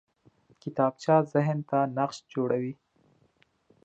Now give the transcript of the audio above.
کتابچه ذهن ته نقش جوړوي